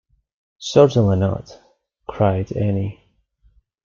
“Certainly not,” cried Annie.